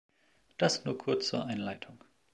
Das nur kurz zur Einleitung.